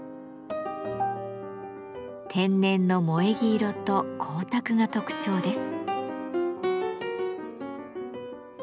天然の萌黄色と光沢が特徴です。